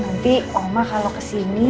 nanti oma kalau ke sini